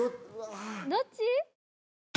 どっち？